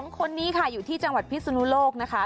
๒คนนี้ค่ะอยู่ที่จังหวัดพิศนุโลกนะคะ